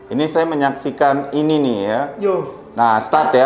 ini saya menyaksikan ini nih ya nah start ya